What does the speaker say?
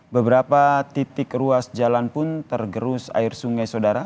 beberapa titik ruas jalan pun tergerus air sungai saudara